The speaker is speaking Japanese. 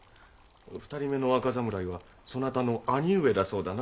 ２人目の若侍はそなたの兄上だそうだな。